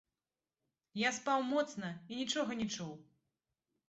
Я спаў моцна і нічога не чуў.